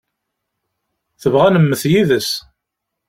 Tebɣa ad nemmet yid-s.